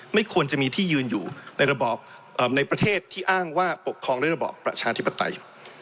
ไม่ควรจะมีที่ยืนอยู่ในระบอบในประเทศที่อ้างว่าปกครองด้วยระบอบประชาธิปไตย